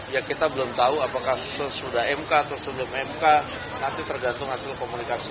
ya kita belum tahu apakah sesudah mk atau sebelum mk nanti tergantung hasil komunikasi